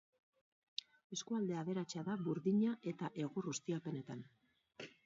Eskualde aberatsa da burdina- eta egur-ustiapenetan.